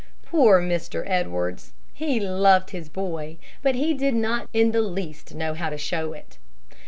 Poor Mr. Edwards! He loved his boy, but did not in the least know how to show it.